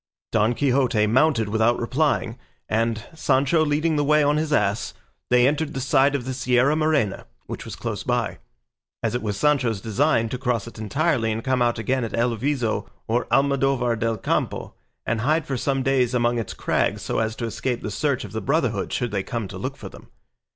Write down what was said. Don Quixote mounted without replying, and, Sancho leading the way on his ass, they entered the side of the Sierra Morena, which was close by, as it was Sancho's design to cross it entirely and come out again at El Viso or Almodovar del Campo, and hide for some days among its crags so as to escape the search of the Brotherhood should they come to look for them.